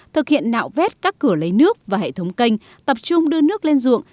thực hiện nạo vét các cửa lấy nước và hệ thống kênh tập trung đưa nước lên ruộng